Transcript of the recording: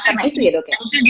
karena itu ya dok ya